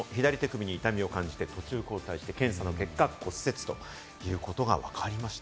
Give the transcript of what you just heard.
左手首に痛みを感じて、途中交代して検査の結果、骨折ということがわかりました。